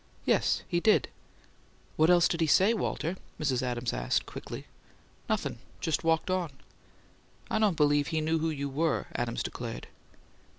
"Yes. He did." "What else did he say, Walter?" Mrs. Adams asked quickly. "Nothin'. Just walked on." "I don't believe he knew who you were," Adams declared.